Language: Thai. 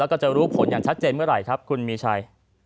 แล้วก็จะรู้ผลอย่างชัดเจนเมื่อไหร่ครับคุณมีชัย